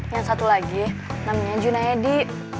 yang satu lagi namanya junayadi